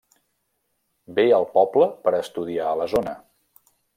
Ve al poble per a estudiar la zona.